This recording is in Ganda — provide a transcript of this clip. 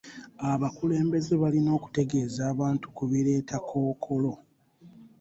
Abakulembeze balina okutegeeza abantu ku bireeta Kkookolo.